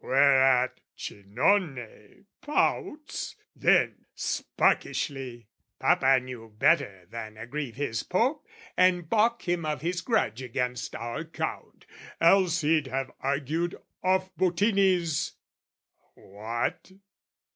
"Whereat Cinone pouts; then, sparkishly "'Papa knew better than aggrieve his Pope, "'And baulk him of his grudge against our Count, "'Else he'd have argued off Bottini's'...what?